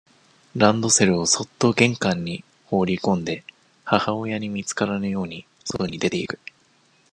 ランドセルをそっと玄関に放りこんで、母親に見つからぬように、外に出ていく。